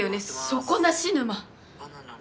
底なし沼。